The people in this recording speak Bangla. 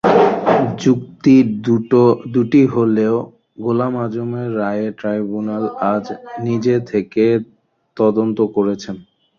যুক্তি দুটি হলো গোলাম আযমের রায়ে ট্রাইব্যুনাল নিজে থেকে তদন্ত করেছেন।